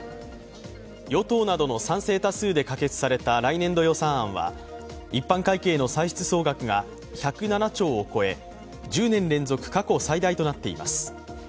与党などの賛成多数で可決された来年度予算案は一般会計の歳出総額が１０７兆円を超え１０年連続過去最大となっています。